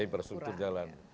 ya infrastruktur jalan